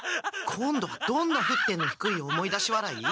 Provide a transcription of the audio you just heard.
今度はどんな沸点の低い思い出し笑い？